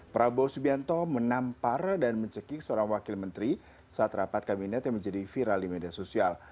prabowo subianto menampar dan mencekik seorang wakil menteri saat rapat kabinet yang menjadi viral di media sosial